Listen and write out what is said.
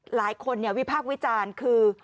หลายคนวิพากษ์วิจารณ์คือ